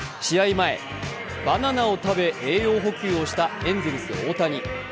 前、バナナを食べ栄養補給をしたエンゼルスの大谷。